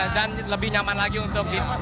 dan lebih nyaman lagi untuk dikeluarkan